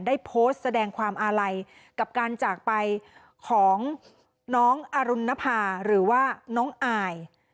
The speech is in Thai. ได้โพสต์แสดงความอาลัยกับการจากไปของน้องอรุณภาหรือว่าน้องอาย